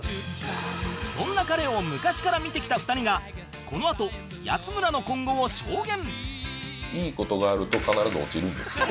そんな彼を昔から見てきた２人がこのあと安村の今後を証言！